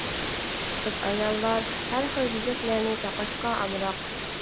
قىز-ئاياللار ھەر خىل بېزەكلەرنى تاقاشقا ئامراق.